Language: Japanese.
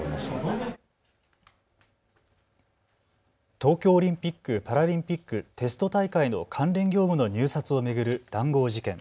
東京オリンピック・パラリンピックテスト大会の関連業務の入札を巡る談合事件。